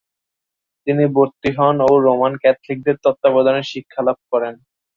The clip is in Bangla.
তিনি ভর্তি হন ও রোমান ক্যাথলিকদের তত্ত্বাবধানে শিক্ষালাভ করেন।